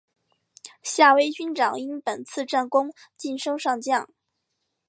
夏威军长因本次战功晋升上将。